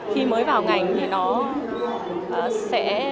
khi mới vào ngành thì nó sẽ